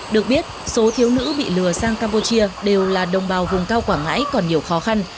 được biết số thiếu nữ bị lừa sang campuchia đều là đồng bào vùng cao quảng ngãi còn nhiều khó khăn